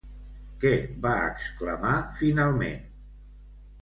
Què va exclamar finalment?